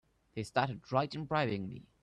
They started right in bribing me!